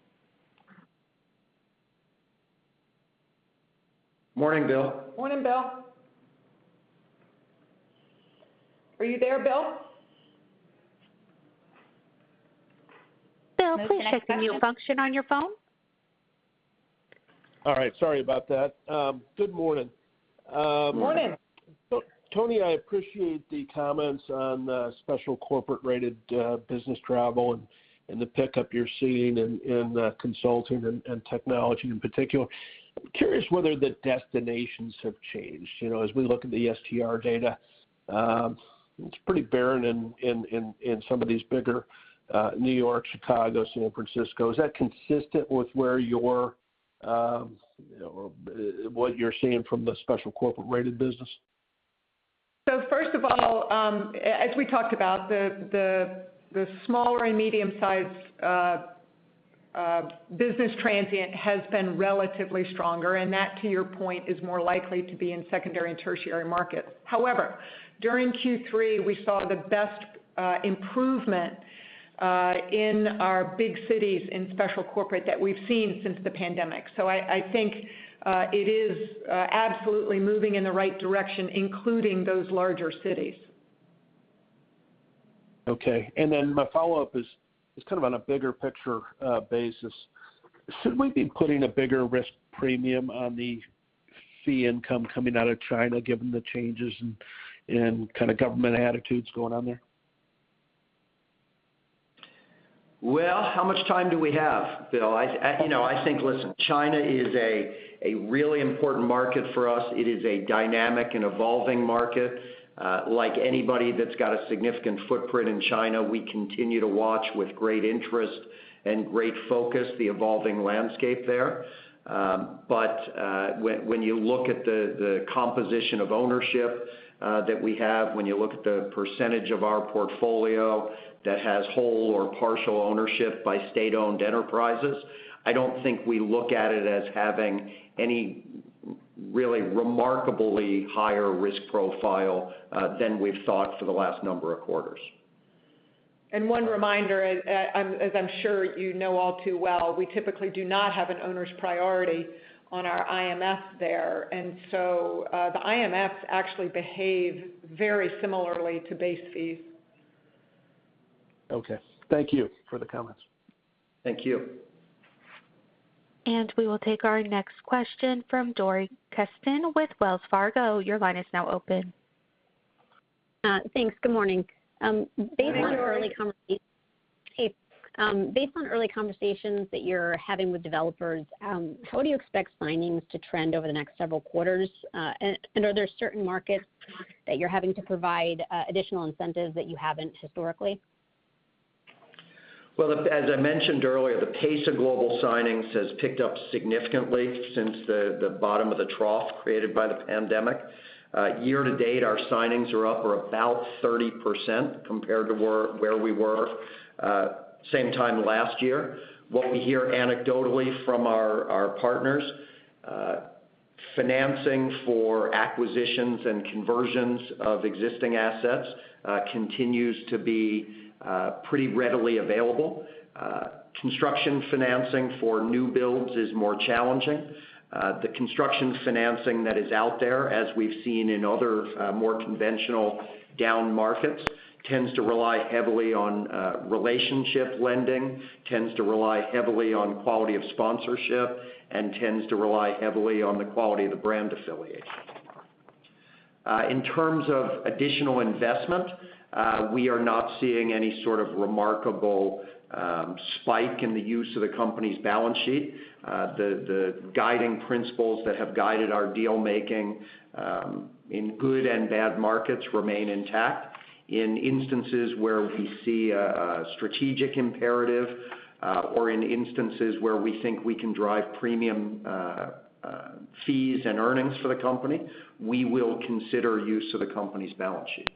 Morning, Bill. Morning, Bill. Are you there, Bill? Bill, please press the mute function on your phone. All right. Sorry about that. Good morning. Morning. Tony, I appreciate the comments on Special Corporate rate business travel and the pickup you're seeing in consulting and technology in particular. I'm curious whether the destinations have changed. You know, as we look at the STR data, it's pretty barren in some of these bigger New York, Chicago, San Francisco. Is that consistent with where you are or what you're seeing from the Special Corporate rate business? First of all, as we talked about, the smaller and medium-sized business transient has been relatively stronger, and that, to your point, is more likely to be in secondary and tertiary markets. However, during Q3, we saw the best improvement in our big cities in Special Corporate that we've seen since the pandemic. I think it is absolutely moving in the right direction, including those larger cities. My follow-up is kind of on a bigger picture basis. Should we be putting a bigger risk premium on the fee income coming out of China, given the changes and kind of government attitudes going on there? Well, how much time do we have, Bill? You know, I think, listen, China is a really important market for us. It is a dynamic and evolving market. Like anybody that's got a significant footprint in China, we continue to watch with great interest and great focus the evolving landscape there. But when you look at the composition of ownership that we have, when you look at the percentage of our portfolio that has whole or partial ownership by state-owned enterprises, I don't think we look at it as having any really remarkably higher risk profile than we've thought for the last number of quarters. One reminder, as I'm sure you know all too well, we typically do not have an owner's priority on our IMF there. The IMFs actually behave very similarly to base fees. Okay. Thank you for the comments. Thank you. We will take our next question from Dori Kesten with Wells Fargo. Your line is now open. Thanks. Good morning. Based on early con- Morning. Based on early conversations that you're having with developers, how do you expect signings to trend over the next several quarters? And are there certain markets that you're having to provide additional incentives that you haven't historically? Well, as I mentioned earlier, the pace of global signings has picked up significantly since the bottom of the trough created by the pandemic. Year-to-date, our signings are up about 30% compared to where we were same time last year. What we hear anecdotally from our partners, financing for acquisitions and conversions of existing assets continues to be pretty readily available. Construction financing for new builds is more challenging. The construction financing that is out there, as we've seen in other more conventional down markets, tends to rely heavily on relationship lending, tends to rely heavily on quality of sponsorship, and tends to rely heavily on the quality of the brand affiliation. In terms of additional investment, we are not seeing any sort of remarkable spike in the use of the company's balance sheet. The guiding principles that have guided our deal-making in good and bad markets remain intact. In instances where we see a strategic imperative, or in instances where we think we can drive premium fees and earnings for the company, we will consider use of the company's balance sheet.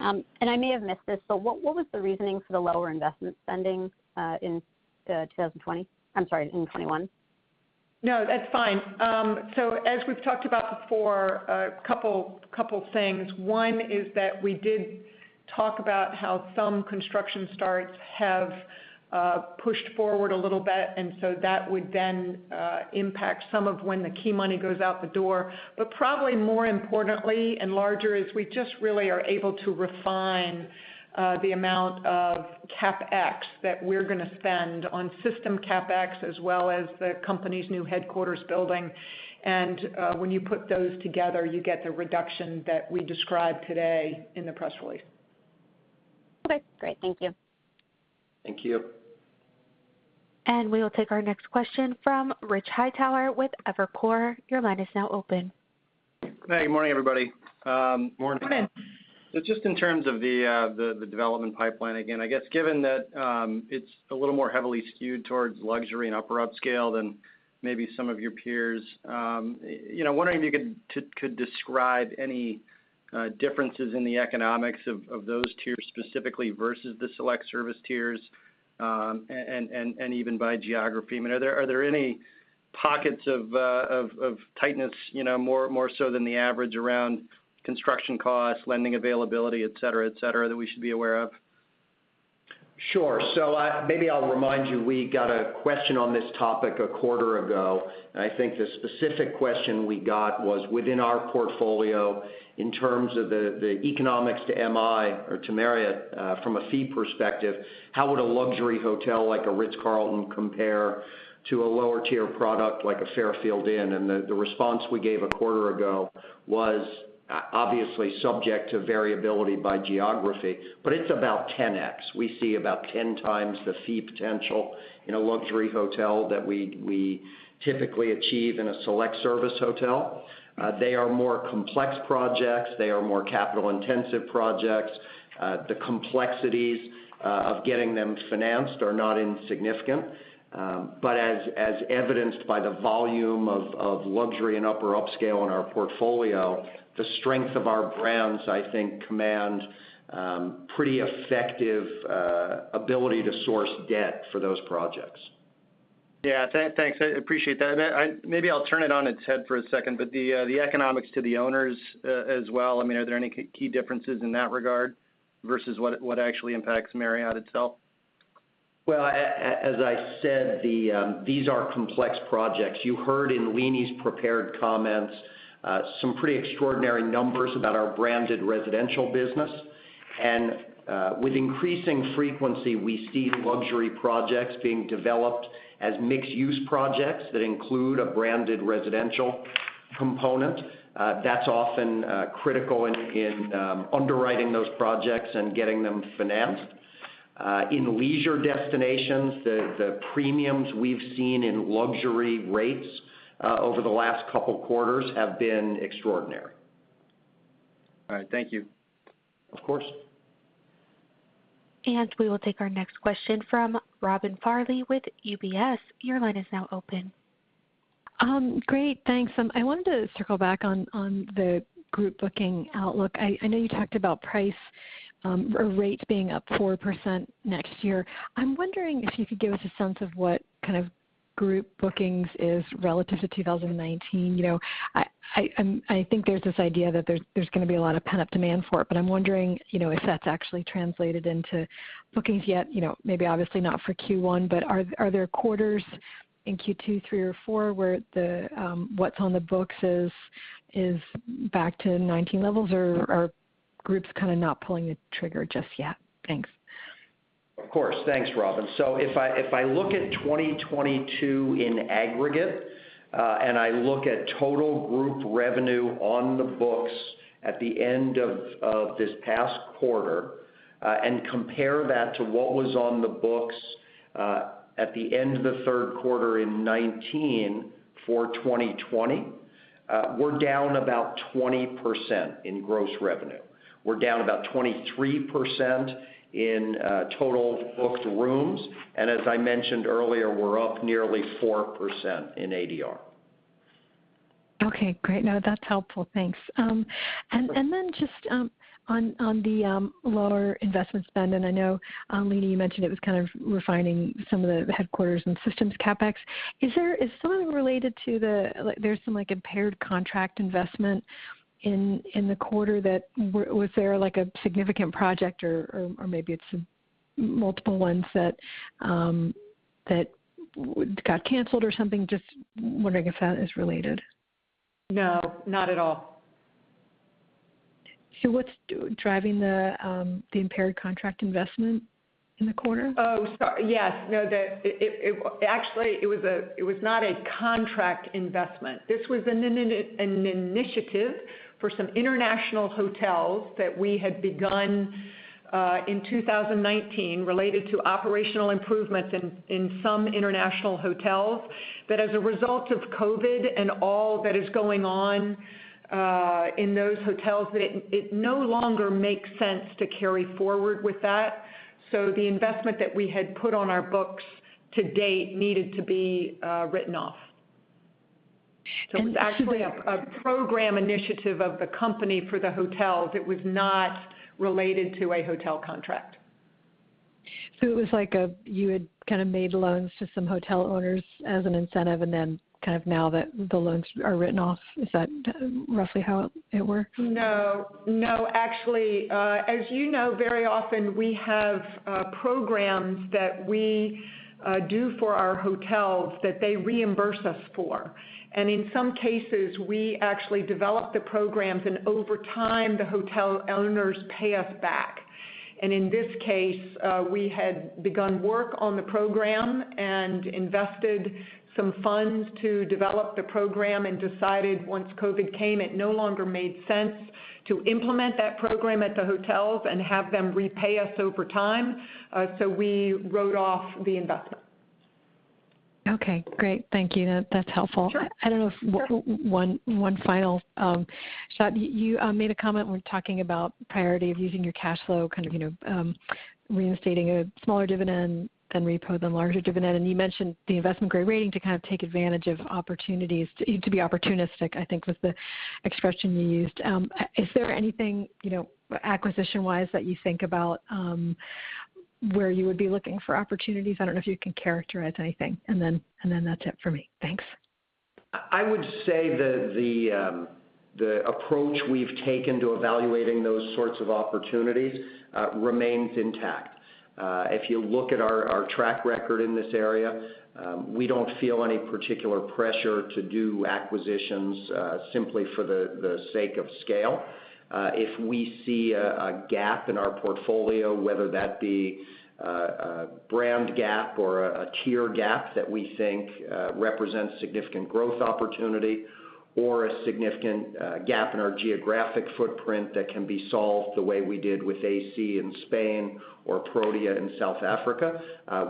I may have missed this, but what was the reasoning for the lower investment spending in 2020? I'm sorry, in 2021? No, that's fine. As we've talked about before, a couple things. One is that we did talk about how some construction starts have pushed forward a little bit, and so that would then impact some of when the key money goes out the door. Probably more importantly and larger is we just really are able to refine the amount of CapEx that we're going to spend on system CapEx as well as the company's new headquarters building. When you put those together, you get the reduction that we described today in the press release. Okay, great. Thank you. Thank you. We will take our next question from Rich Hightower with Evercore. Your line is now open. Hey, good morning, everybody. Morning. Morning. Just in terms of the development pipeline, again, I guess given that it's a little more heavily skewed towards luxury and upper upscale than maybe some of your peers, you know, wondering if you could describe any differences in the economics of those tiers specifically versus the select service tiers, and even by geography. I mean, are there any pockets of tightness, you know, more so than the average around construction costs, lending availability, et cetera, that we should be aware of? Sure. Maybe I'll remind you, we got a question on this topic a quarter ago. I think the specific question we got was within our portfolio in terms of the economics to MI or to Marriott, from a fee perspective, how would a luxury hotel like a Ritz-Carlton compare to a lower tier product like a Fairfield Inn? The response we gave a quarter ago was obviously subject to variability by geography. It's about 10x. We see about 10 times the fee potential in a luxury hotel that we typically achieve in a select service hotel. They are more complex projects. They are more capital-intensive projects. The complexities of getting them financed are not insignificant. As evidenced by the volume of luxury and upper upscale in our portfolio, the strength of our brands, I think, commands pretty effective ability to source debt for those projects. Yeah. Thanks. I appreciate that. Maybe I'll turn it on its head for a second. The economics to the owners, as well, I mean, are there any key differences in that regard versus what actually impacts Marriott itself? Well, as I said, these are complex projects. You heard in Leeny's prepared comments some pretty extraordinary numbers about our branded residential business. With increasing frequency, we see luxury projects being developed as mixed-use projects that include a branded residential component. That's often critical in underwriting those projects and getting them financed. In leisure destinations, the premiums we've seen in luxury rates over the last couple quarters have been extraordinary. All right. Thank you. Of course. We will take our next question from Robin Farley with UBS. Your line is now open. Great. Thanks. I wanted to circle back on the group booking outlook. I know you talked about price or rates being up 4% next year. I'm wondering if you could give us a sense of what kind of group bookings is relative to 2019. You know, I think there's this idea that there's gonna be a lot of pent-up demand for it. But I'm wondering, you know, if that's actually translated into bookings yet. You know, maybe obviously not for Q1, but are there quarters in Q2, three, or four where the what's on the books is back to 2019 levels? Or are groups kind of not pulling the trigger just yet? Thanks. Of course. Thanks, Robyn. If I look at 2022 in aggregate, and I look at total group revenue on the books at the end of this past quarter, and compare that to what was on the books at the end of the third quarter in 2019 for 2020, we're down about 20% in gross revenue. We're down about 23% in total booked rooms. As I mentioned earlier, we're up nearly 4% in ADR. Okay, great. No, that's helpful. Thanks. Then just on the lower investment spend, and I know, Leeny, you mentioned it was kind of refining some of the headquarters and systems CapEx. Is some of it related to the, like, there's some like impaired contract investment in the quarter that was there like a significant project or maybe it's multiple ones that got canceled or something? Just wondering if that is related. No, not at all. What's driving the impaired contract investment in the quarter? Yes. No. It actually was not a contract investment. This was an initiative for some international hotels that we had begun in 2019 related to operational improvements in some international hotels, that as a result of COVID and all that is going on in those hotels, that it no longer makes sense to carry forward with that. The investment that we had put on our books to date needed to be written off. And should- It's actually a program initiative of the company for the hotels. It was not related to a hotel contract. It was like, you had kind of made loans to some hotel owners as an incentive, and then kind of now that the loans are written off. Is that roughly how it works? No, no. Actually, as you know, very often we have programs that we do for our hotels that they reimburse us for. In some cases, we actually develop the programs and over time, the hotel owners pay us back. In this case, we had begun work on the program and invested some funds to develop the program and decided once COVID came, it no longer made sense to implement that program at the hotels and have them repay us over time, so we wrote off the investment. Okay, great. Thank you. That's helpful. Sure. I don't know if one final shot. You made a comment when talking about priority of using your cash flow, kind of, you know, reinstating a smaller dividend than repurchasing the larger dividend. You mentioned the investment-grade rating to kind of take advantage of opportunities, to be opportunistic, I think was the expression you used. Is there anything, you know, acquisition-wise that you think about, where you would be looking for opportunities? I don't know if you can characterize anything. Then that's it for me. Thanks. I would say that the approach we've taken to evaluating those sorts of opportunities remains intact. If you look at our track record in this area, we don't feel any particular pressure to do acquisitions simply for the sake of scale. If we see a gap in our portfolio, whether that be a brand gap or a tier gap that we think represents significant growth opportunity or a significant gap in our geographic footprint that can be solved the way we did with AC in Spain or Protea in South Africa,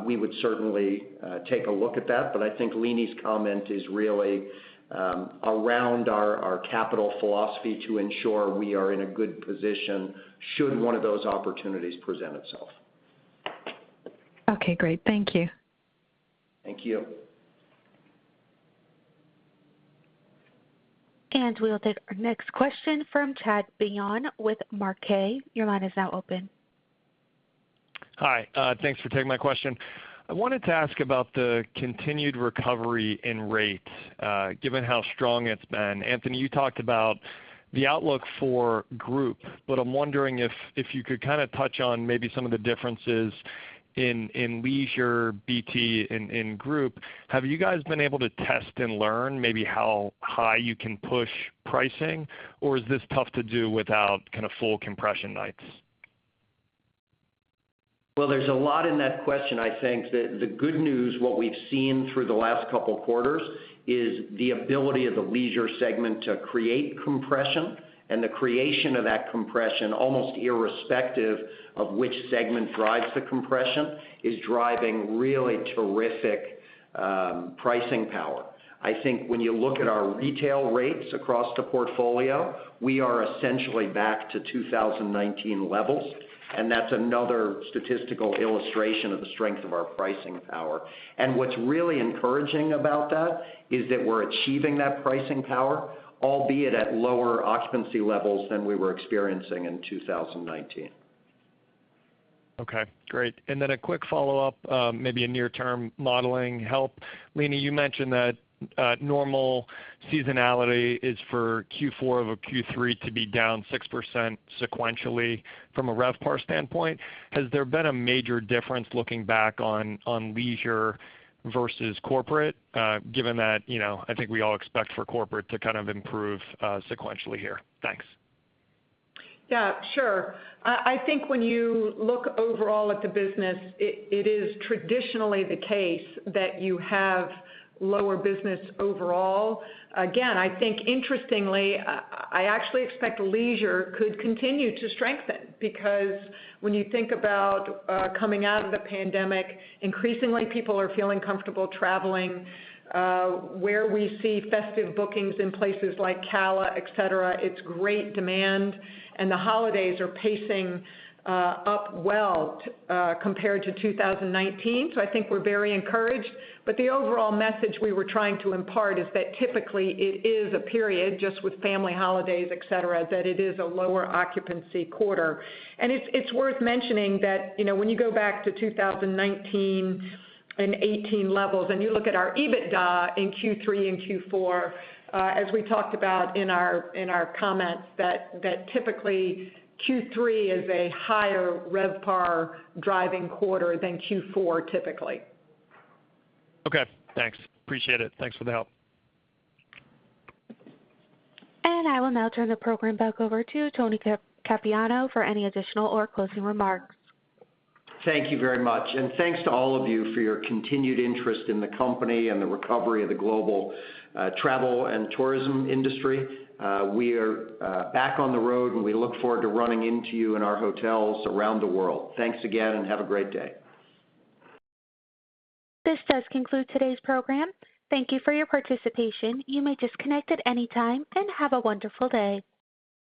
we would certainly take a look at that. I think Leeny's comment is really around our capital philosophy to ensure we are in a good position should one of those opportunities present itself. Okay, great. Thank you. Thank you. We will take our next question from Chad Beynon with Macquarie. Your line is now open. Hi, thanks for taking my question. I wanted to ask about the continued recovery in rates, given how strong it's been. Tony, you talked about the outlook for group, but I'm wondering if you could kind of touch on maybe some of the differences in leisure BT in group. Have you guys been able to test and learn maybe how high you can push pricing? Or is this tough to do without kind of full compression nights? Well, there's a lot in that question. I think that the good news, what we've seen through the last couple of quarters, is the ability of the leisure segment to create compression. The creation of that compression, almost irrespective of which segment drives the compression, is driving really terrific pricing power. I think when you look at our retail rates across the portfolio, we are essentially back to 2019 levels, and that's another statistical illustration of the strength of our pricing power. What's really encouraging about that is that we're achieving that pricing power, albeit at lower occupancy levels than we were experiencing in 2019. Okay, great. Then a quick follow-up, maybe a near-term modeling help. Leeny, you mentioned that normal seasonality is for Q4 over Q3 to be down 6% sequentially from a RevPAR standpoint. Has there been a major difference looking back on leisure versus corporate, given that, you know, I think we all expect for corporate to kind of improve sequentially here? Thanks. Yeah, sure. I think when you look overall at the business, it is traditionally the case that you have lower business overall. Again, I think interestingly, I actually expect leisure could continue to strengthen because when you think about coming out of the pandemic, increasingly people are feeling comfortable traveling. Where we see festive bookings in places like CALA, etc., it's great demand and the holidays are pacing up well compared to 2019. I think we're very encouraged. The overall message we were trying to impart is that typically it is a period just with family holidays, etc., that it is a lower occupancy quarter. It's worth mentioning that, you know, when you go back to 2019 and 2018 levels and you look at our EBITDA in Q3 and Q4, as we talked about in our comments, that typically Q3 is a higher RevPAR driving quarter than Q4 typically. Okay, thanks. Appreciate it. Thanks for the help. I will now turn the program back over to Tony Capuano for any additional or closing remarks. Thank you very much. Thanks to all of you for your continued interest in the company and the recovery of the global travel and tourism industry. We are back on the road, and we look forward to running into you in our hotels around the world. Thanks again, and have a great day. This does conclude today's program. Thank you for your participation. You may disconnect at any time, and have a wonderful day.